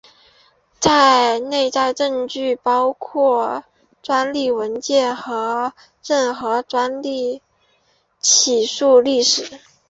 内在证据包括专利文件和任何的专利起诉历史。